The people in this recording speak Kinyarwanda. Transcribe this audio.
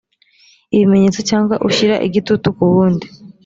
ibimenyetso cyangwa ushyira igitutu ku wundi